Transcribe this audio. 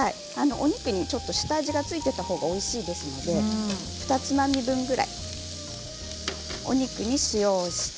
お肉にちょっと下味が付いていたほうがおいしいですのでふたつまみ分ぐらいお肉に塩をして。